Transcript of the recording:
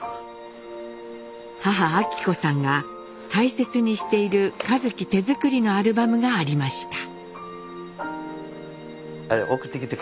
母昭子さんが大切にしている一輝手作りのアルバムがありました。